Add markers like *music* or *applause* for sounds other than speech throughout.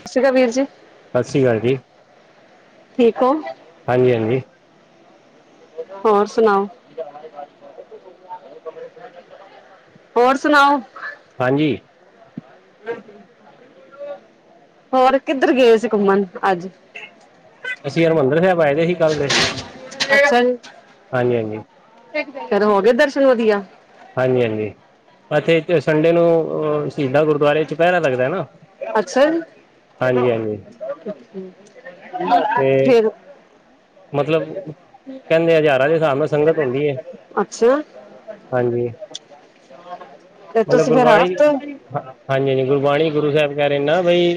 ਸਤਿ ਸ਼੍ਰੀ ਅਕਾਲ ਵੀਰ ਜੀ ਸ੍ਰੀ ਕਾਲ ਜੀ। ਠੀਕ ਹੋ। ਹਾਂਜੀ-ਹਾਂਜੀ। ਹੋਰ ਸੁਣਾਓ। ਹੋਰ ਸੁਣਾਓ। ਹਾਂਜੀ। ਹੋਰ ਕਿੱਧਰ ਗਏ ਸੀ ਘੁੰਮਣ ਅੱਜ। ਅਸੀਂ ਹਰਿਮੰਦਰ ਸਾਹਿਬ ਆਏ ਦੇ ਸੀ ਕੱਲ ਦੇ ਅੱਛਾ ਜੀ ਹਾਂਜੀ-ਹਾਂਜੀ। ਫੇਰ ਹੋ ਗਏ ਦਰਸ਼ਨ ਵਧੀਆ। ਹਾਂਜੀ-ਹਾਂਜੀ ਇਥੇ ਇਕ ਸੰਡੇ ਨੂੰ ਸ਼ਹੀਦਾਂ ਗੁਰਦੁਆਰੇ ਚੁਪਹਿਰਾ ਲੱਗਦਾ ਨਾ। ਅੱਛਾ ਜੀ। ਹਾਂਜੀ ਹਾਂਜੀ ਤੇ ਫਿਰ ਮਤਲਬ ਕਹਿੰਦੇ ਹਜ਼ਾਰਾਂ ਦੇ ਹਿਸਾਬ ਨਾਲ ਸੰਗਤ ਹੁੰਦੀ ਹੈ ਅੱਛਾ ਹਾਂਜੀ ਤੇ ਮਤਲਬ ਤੁਸੀ ਫੇਰ ਹਰ ਗੁਰਬਾਣੀ ਹਫਤੇ ਹਾਂਜੀ ਹਾਂਜੀ ਗੁਰਬਾਣੀ ਗੁਰੂ ਸਾਹਿਬ ਕਹਿ ਨਾ ਬਈ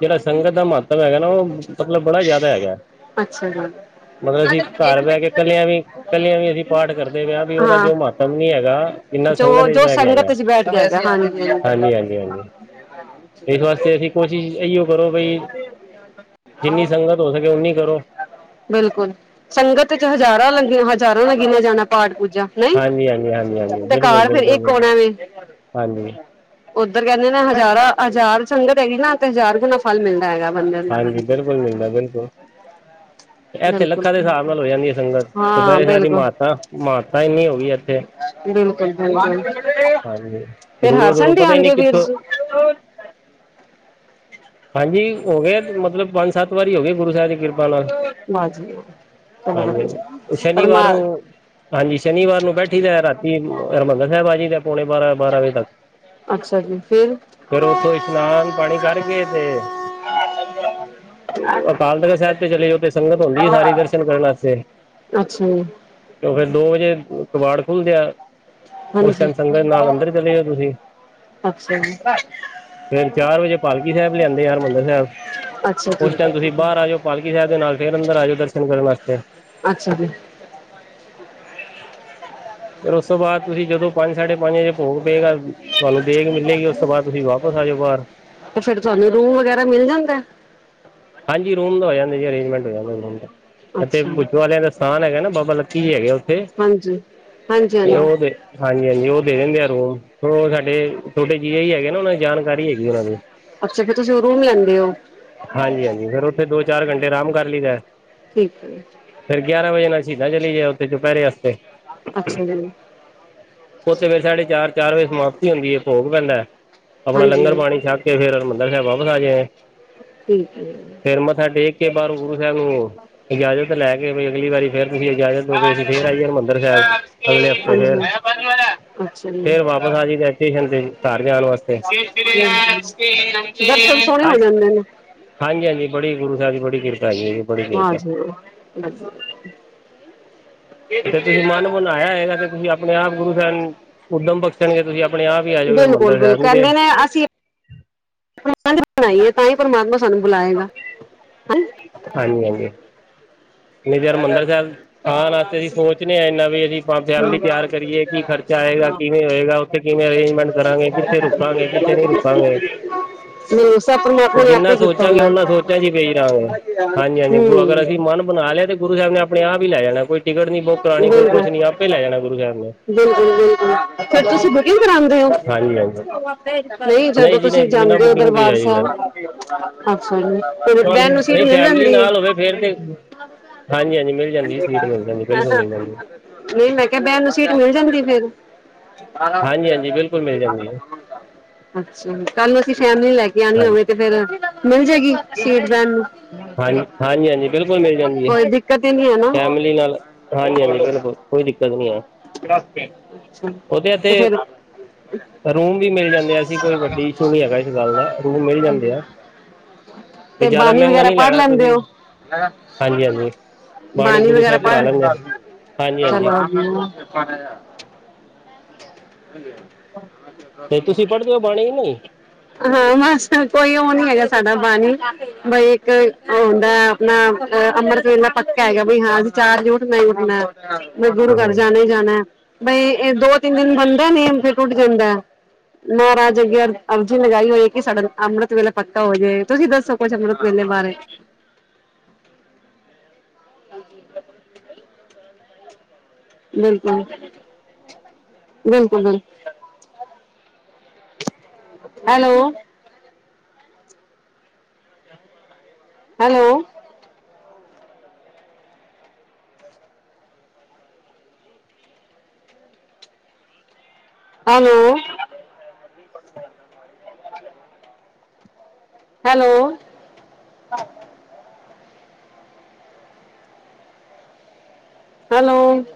ਜਿਹੜਾ ਸੰਗਤ ਦਾ ਮਹੱਤਵ ਹੈਗਾ ਨਾ ਉਹ ਮਤਲਬ ਬੜਾ ਜਾਦਾ ਹੈਗਾ। ਅੱਛਾ ਜੀ ਮਤਲਬ ਅਸੀਂ ਘਰ ਬਹਿ ਕੇ ਕੱਲਿਆਂ ਵੀ ਕਲਿਆਂ ਵੀ ਅਸੀਂ ਪਾਠ ਕਰਦੇ ਪਏ ਆ ਵੀ ਉਹਦਾ ਹਾਂ ਜੋ ਮਹ ਤਮ ਨੀ ਹੈਗਾ ਜਿਨ੍ਹਾਂ ਨਾ ਜੋ ਸੰਗਤ ਵਿੱਚ ਜੋ ਬੈ ਕੇ ਹੈਗਾ, ਸੰਗਤ ਚ ਬੈਠ ਹਾਂਜੀ-ਹਾਂਜੀ, ਹਾਂਜੀ। ਹ ਇਸ ਵਾਸਤੇ ਅਸੀਂ ਕੋਸ਼ਿਸ਼ ਇਓ ਕਰੋ ਬਈ ਜਿੰਨੀ ਸੰਗਤ ਹੋ ਸਕੇ ਉਨੀ ਕਰੋ। ਬਿਲਕੁਲ ਸੰਗਤ ਚ ਹਜ਼ਾਰਾਂ ਲੱਗੀਆਂ ਹਜ਼ਾਰਾਂ ਲੱਗੀਆਂ ਜਾਣਾ ਪਾਠ ਪੂ ਨਹੀਂ ਹਾਂਜੀ, ਹਾਂਜੀ, ਹਾਂਜੀ, ਹਾਂਜੀ ਤੇ ਬਿਲਕੁਲ, ਘਰ ਤੇ ਬਿਲਕੁਲ ਇਕ ਹੋਨਾ ਵੇ। ਹਾਂਜੀ, ਉੱਧਰ ਕਹਿੰਦੇ ਨੇ ਹਜ਼ਾਰਾਂ ਹਜ਼ਾਰ ਸੰਗਤ ਹੈਗੀ ਨਾ ਤੇ ਹਜ਼ਾਰ ਗੁਣਾ ਫਲ ਮਿਲਦਾ ਹੈਗਾ। ਬੰਦੇ ਨੂੰ ਹਾਂਜੀ ਬਿਲਕੁਲ ਮਿਲਦਾ ਬਿਲਕੁਲ। ਇੱਥੇ ਬਿਲਕੁਲ ਲੱਖਾਂ ਦੇ ਹਿਸਾਬ ਨਾਲ ਹੋ ਜਾਂਦੀ ਹੈ ਸੰਗਤ ਹਾਂ ਚੁਪਹਿਰੇ ਸ਼ਹਿਬ ਦੀ ਬਿਲਕੁਲ ਮਹਾਤਾ ਮਹਾਨਤਾ ਇੰਨੀ ਹੋ ਗਈ ਇਥੇ। ਬਿਲਕੁਲ-ਬਿਲਕੁਲ ਫੇਰ ਹਰ ਦੂਰੋਂ ਦੂਰੋਂ ਸੰਡੇ ਪਤਾ ਹੀ ਆਦੇ ਨਹੀਂ ਉ ਵੀਰ ਕਿੱਥੋਂ ਜੀ। ਹਾਂਜੀ ਹੋ ਗਏ ਮਤਲਬ ਪੰਜ, ਸੱਤ ਵਾਰੀ ਹੋ ਗਏ ਗੁਰੂ ਸਾਹਿਬ ਦੀ ਕਿਰਪਾ ਨਾਲ। ਵਾਹ ਜੀ ਵਾਹ ਚਲੋ ਹਾਂਜੀ-ਹਾਂਜੀ ਵਧੀਆ ਤੇ ਪਰਮਾ ਸ਼ਨੀਵਾਰ ਨੂੰ ਹਾਂਜੀ ਸ਼ਨੀਵਾਰ ਨੂੰ ਬੈਠੀ ਦਾ ਰਾਤੀ ਹਰਿਮੰਦਰ ਸਾਹਿਬ ਆ ਜੀ ਦਾ ਪੌਣੇ ਬਾਰਾਂ-ਬਾਰਾਂ ਵਜੇ ਤੱਕ। ਅੱਛਾ ਜੀ ਫਿਰ ਫੇਰ ਉੱਥੋਂ ਇਸ਼ਨਾਨ ਪਾਣੀ ਕਰਕੇ ਅਕਾਲ ਤਖ਼ਤ ਸਾਹਿਬ ਤੇ ਚਲੇ ਜਾ ਉਥੇ ਸੰਗਤ ਹੁੰਦੀ ਆ ਸਾਰੀ ਦਰਸ਼ਨ ਕਰਨ ਆਸਤੇ। ਅੱਛਾ ਜੀ ਤੇ ਫਿਰ ਦੋ ਵਜੇ ਕਬਾੜ ਖੁੱਲਦੇ ਆ। ਉਸ ਹਾਂਜੀ ਟਾਈਮ ਸੰਗਤ ਨਾਲ ਅੰਦਰ ਚਲੇ ਜੋ ਤੁਸੀ। ਅੱਛਾ ਜੀ ਫਿਰ ਚਾਰ ਵਜੇ ਪਾਲਕੀ ਸਾਹਿਬ ਲਿਆਂਦੇ ਅ ਹਰਿਮੰਦਰ ਸਾਹਿਬ। ਅੱਛਾ ਜੀ ਉਸ ਟਾਈਮ ਤੁਸੀਂ ਬਾਹਰ ਆ ਜਾਓ ਪਾਲਕੀ ਸਾਹਿਬ ਦੇ ਨਾਲ ਫਿਰ ਅੰਦਰ ਆ ਜਾਓ ਦਰਸ਼ਨ ਕਰਨ ਵਾਸਤੇ। *inaudible* ਫਿਰ ਉਸ ਤੋਂ ਬਾਅਦ ਤੁਸੀਂ ਜਦੋਂ ਪੰਜ ਸਾਢੇ ਪੰਜ ਵਜੇ ਭੋਗ ਪਏਗਾ ਤੁਹਾਨੂੰ ਦੇਗ ਮਿਲੇਗੀ ਉਸ ਤੋਂ ਬਾਅਦ ਤੁਸੀਂ ਵਾਪਸ ਆ ਜਾਓ ਬਾਰ। ਤੇ ਫਿਰ ਤੁਹਾਨੂੰ ਰੂਮ ਵਗੈਰਾ ਮਿਲ ਜਾਂਦਾ। ਹਾਂਜੀ ਰੂਮ ਦਾ ਹੋ ਜਾਂਦਾ ਜੀ ਅਰੇਂਜਮੈਂਟ ਹੋ ਜਾਂਦਾ ਰੂਮ ਦਾ, ਇੱਥੇ ਅੱਛਾ ਬੁੱਚੋ ਵਾਲਿਆਂ ਦਾ ਸਥਾਨ ਹੈਗਾ ਨਾ ਬਾਬਾ ਕੀ ਹੈਗੇ ਉੱਥੇ, ਹਾਂਜੀ ਹਾਂਜੀ ਤੇ ਹਾਂਜੀ ਉਹ ਦੇ ਹਾਂਜੀ-ਹਾਂਜੀ ਉਹ ਦੇ ਦਿੰਦੇ ਆ ਰੂਮ। ਉਹ ਸਾਡੇ ਛੋਟੇ ਜੀਜਾ ਜੀ ਹੈਗੇ ਨ ਉਹਨਾਂ ਦੀ ਜਾਣਕਾਰੀ ਹੈਗੀ ਉਹਨਾਂ ਦੀ। ਅੱਛਾ ਫੇਰ ਤੁਸੀ ਰੂਮ ਲੈਂਦੇ ਹੋ। ਹਾਂਜੀ-ਹਾਂਜੀ ਫਿਰ ਉੱਥੇ ਦੋ, ਚਾਰ ਘੰਟੇ ਆਰਾਮ ਕਰ ਲਈ ਦਾ ਠੀਕ ਹੈ ਫਿਰ ਗਿਆਰਾਂ ਵਜੇ ਨਾ ਅਸੀ ਜਾ ਚਲੀ ਜਾ ਉੱਥੇ ਚੁਪਹਿਰੇ ਆਸਤੇ। ਅੱਛਾ ਜੀ ਉਸ ਵੇਲੇ ਸਾਡੇ ਚਾਰ, ਚਾਰ ਵਜੇ ਸਮਾਪਤੀ ਹੁੰਦੀ ਏ ਭੋਗ ਪੈਂਦਾ। ਆਪਣਾ ਲੰਗਰ ਹਾਂਜੀ ਪਾਣੀ ਛੱਕ ਕੇ ਫਿਰ ਹਰਿਮੰਦਰ ਸਾਹਿਬ ਵਾਪਸ ਆ ਜੇ। ਠੀਕ ਹੈ ਫਿਰ ਮੱਥਾ ਟੇਕ ਕੇ ਬਾਹਰ ਗੁਰੂ ਸਾਹਿਬ ਨੂੰ ਇਜਾਜ਼ਤ ਲੈ ਕੇ ਅਗਲੀ ਵਾਰੀ ਫੇਰ ਤੁਸੀਂ ਇਜਾਜ਼ਤ ਦੋਗੇ, ਅਸੀਂ ਫੇਰ ਅੱਛਾ ਆ ਜਾਂਗੇ ਹਰਿਮੰਦਰ ਸਾਹਿਬ ਅਗਲੇ ਹਫ਼ਤੇ ਫੇਰ, ਫੇਰ ਵਾਪਸ ਪੁਰਾਣੀ ਫੈਕਟਰੀ ਚਲਦੀ ਸੀ ਘਰ ਜਾਣ ਵਾਸਤੇ *inaudible* ਜੀ ਦਰਸ਼ਨ ਸੋਹਣੇ ਹੋ ਅੱਜ ਜਾਂਦੇ ਨੇ ਹਾਂਜੀ-ਹਾਂਜੀ, ਬੜੀ ਗੁਰੂ ਸਾਹਿਬ ਦੀ ਬੜੀ ਕਿਰਪਾ ਹੈ ਬੜੀ ਕਿਰਪਾ। ਹਾਂਜੀ ਤੁਸੀਂ ਮਨ ਬਣਾਇਆ ਹੈਗਾ ਤੇ ਤੁਸੀਂ ਅਪਣੇ ਆਪ ਗੁਰੂ ਸਾਹਿਨ ਉੱਦਮ ਬਖਸ਼ਣਗੇ। ਤੁਸੀਂ ਆਪਣੇ ਆਪ ਹੀ ਆ ਜਾਓ ਬਿਲਕੁਲ-ਬਿਲਕੁਲ ਕਹਿੰਦੇ ਨੇ ਅਸੀਂ *inaudible* ਤਾਈ ਪ੍ਰਮਾਤਮਾ ਸਾਨੂੰ ਬੁਲਾਏਗਾ। ਹੈਂ ਹਾਂਜੀ-ਹਾਂਜੀ। *unintelligible* ਹਰਿਮੰਦਰ ਸਾਹਿਬ ਆਨ ਆਸਤੇ ਅਸੀਂ ਸੋਚਨੇ ਨੀ ਆਏ ਏਨਾ ਵੀ ਅਸੀਂ ਫੈਮਿਲੀ ਤਿਆਰ ਕਰੀਏ ਕਿ ਖਰਚਾ ਆਏਗਾ ਕਿਵੇਂ ਹੋਏਗਾ। ਫਿਰ ਕਿਵੇਂ ਅਰੇਂਜਮੈਂਟ ਕਰਾਂਗੇ, ਕਿੱਥੇ ਰੁਕਾਂਗੇ, ਕਿੱਥੇ ਨਹੀਂ ਰੁਕਾਂਗੇ, ਮੈਨੂੰ ਸਭ ਪਰਮਾਤਮਾ ਜਿੰਨਾ ਨੇ ਜਿੰਨਾ ਆਪੇ ਕੀਤਾ ਸੋਚਾਂਗੇ ਹੁੰਦਾ ਉਹਨਾ ਸੋਚਾਂ ਚ ਪਈ ਰਹਾਂਗੇ। ਹਾਂਜੀ-ਹਾਂਜੀ ਹੁਨ ਅਗਰ ਅਸੀਂ ਹੂੰ ਮਨ ਬਣਾ ਲਿਆ ਤੇ ਗੁਰੂ ਸਾਹਿਬ ਨੇ ਅਪਣੇ ਆਪ ਈ ਲੈ ਜਾਣਾ, ਕੋਈ ਟਿਕਟ ਨੀ ਬੁੱਕ ਕਰਾਣੀ, ਕੋਈ ਬਿਲਕੁਲ ਕੁਛ ਨੀ ਆਪੇ ਈ ਲੈ ਜਾਣਾ ਗੁਰੂ ਸਾਹਿਬ ਨੇ। ਬਿਲਕੁਲ ਬਿਲਕੁਲ ਫਿਰ ਤੁਸੀਂ ਬੁਕਿੰਗ *inaudible* *unintelligible* ਹਾਂਜੀ ਹਾਂਜੀ ਨਹੀਂ ਜਦੋਂ ਨਹੀਂ ਜੀ ਤੁਸੀਂ ਨਹੀਂ ਬਿਨਾਂ ਜਾਂਦੇ ਹੋ ਬੁਕਿੰਗ ਤੋਂ ਹੀ ਦਰਬਾਰ ਆ ਜਾਈਦਾ ਸਾਹਿਬ, ਅੱਛਾ ਜ- *unintelligible* ਤੇਰੇ ਬੈਨ ਨੂੰ ਸੀਟ ਨਹੀਂ ਮਿਲ ਫੈਮਿਲੀ ਜਾਂਦੀ ਹੈ ਨਾਲ ਹੋਵੇ ਫੇਰ ਤੇ, ਹਾਂਜੀ ਹਾਂਜੀ ਮਿਲ ਜਾਂਦੀ ਸੀਟ ਮਿਲ ਜਾਂਦੀ। ਬਿਲਕੁਲ ਮਿਲ ਜਾਂਦੀ *unintelligible* ਨਹੀਂ ਮੈਂ ਕਿਹਾ ਬੈਨ ਨੂੰ ਸੀਟ ਮਿਲ ਜਾਂਦੀ ਫਿਰ। ਆਯਾ ਹਾਂਜੀ ਹਾਂਜੀ ਬਿਲਕੁਲ ਮਿਲ ਜਾਂਦੀ ਹੈ ਫੈਮਲੀ ਲੈ ਕੇ ਆਨੀ ਹਾਂਜੀ ਹੋਵੇ ਤੇ ਫਿਰ, ਮਿਲ ਜਾਏਗੀ ਸੀਟ ਬਹਿਨ ਨੂੰ? ਹਾਂ ਹਾਂਜੀ ਹਾਂਜੀ, ਬਿਲਕੁਲ ਮਿਲ ਜਾਂਦੀ ਹੈ ਕੋਈ ਦਿੱਕਤ ਹੀ ਨਹੀਂ ਹੈ ਨਾ ਫੈਮਲੀ ਨਾਲ। ਹਾਂਜੀ-ਹਾਂਜੀ ਬਿਲਕੁਲ ਕੋਈ ਦਿੱਕਤ ਨਹੀਂ ਹੈ, ਅੱਛਾ, ਉ ਤੇ ਇੱਥੇ ਰੂਮ ਵੀ ਮਿਲ ਜਾਂਦੇ ਅਸੀਂ ਕੋਈ ਵੱਡੀ ਇਸ਼ੂ ਨਹੀਂ ਹੈਗਾ ਇਸ ਗੱਲ ਦਾ ਰੂਮ ਮਿਲ ਜਾਂਦੇ ਆ। ਵੀ ਤੇ ਜ਼ਿਆਦਾ ਬਾਣੀ ਮਹਿੰਗਾ ਵਗੈਰਾ ਨਹੀਂ ਪੜ੍ਹ ਲੈਣਾ ਲੈਂਦੇ ਤੁਸੀਂ ਹੋ। ਹਾਂਜੀ ਹਾਂਜੀ ਬਾਣੀ ਗੁਰੂ ਵਗੈਰਾ ਸਾਹਿਬ ਪੜ ਪੜ੍ਹਾ *unintelligible* ਲੈਂਦੇ ਹਾਂਜੀ ਹਾਂਜੀ ਹੈਲੋ ਹੰਜੀ। ਤੇ ਤੁਸੀਂ ਪੜ੍ਹਦੇ ਹੋ ਬਾਣੀ ਨਹੀਂ ਹਾਂ-ਹਾਂ, ਇਸ ਤਰ੍ਹਾਂ ਕੋਈ ਉਹ ਨਹੀਂ ਹੈਗਾ ਸਾਡਾ ਬਾਨੀ ਬਈ ਇੱਕ ਉਹ ਹੁੰਦਾ ਅਪਣਾ ਅੰਮ੍ਰਿਤ ਵੇਲਾ ਪੱਕਾ ਹੈਗਾ, ਬਈ ਹਾਂ ਅਸੀਂ ਚਾਰ ਵੱਜੇ ਉੱਠਨਾ ਕੇ *unintelligible* ਹੋਣਾ, ਬਈ ਗੁਰੂ ਘਰ ਜਾਣਾ ਈ ਜਾਣਾ ਬਈ ਇਹ ਦੋ ਤਿੰਨ ਦਿਨ ਬਣਦਾ ਨੇਮ, ਫਿਰ ਟੁੱਟ ਜਾਂਦੇ। ਨਾਰਾਜ ਹੋਗਿਆ ਅਰਜੀ ਲਗਾਈ ਹੋਈ ਏ ਕਿ ਸਾਡਾ ਅੰਮ੍ਰਿਤ ਵੇਲੇ ਪੱਕਾ ਹੋ ਜੇ, ਤੁਸੀਂ ਦੱਸੋ ਕੁਛ ਅੰਮ੍ਰਿਤ ਪੋਣੇ ਬਾਰਾਂ। *inaudible* ਬਿਲਕੁਲ hello hello hello hello hello-